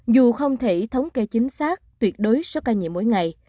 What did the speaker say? dù không thể thống kê chính xác tuyệt đối số ca nhiễm mỗi ngày